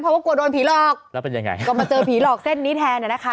เพราะว่ากลัวโดนผีหลอกแล้วเป็นยังไงฮะก็มาเจอผีหลอกเส้นนี้แทนอ่ะนะคะ